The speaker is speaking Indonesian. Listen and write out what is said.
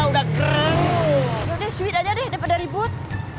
udah deh sweet aja deh dapet dari bud